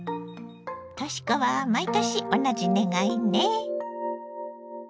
とし子は毎年同じ願いね。